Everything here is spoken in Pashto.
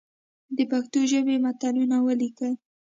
د پښتو ژبي متلونه ولیکئ!